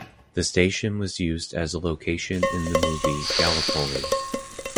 The station was used as a location in the movie "Gallipoli".